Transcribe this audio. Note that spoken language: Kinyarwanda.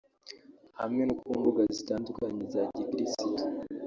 hamwe no ku mbuga zitandukanye za gikirisitu